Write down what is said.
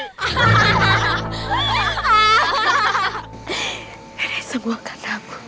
ini semua karena mu